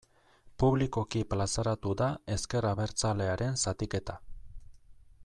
Publikoki plazaratu da ezker abertzalearen zatiketa.